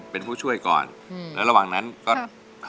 เป็นผู้ช่วยก่อนแล้วระหว่างนั้นก็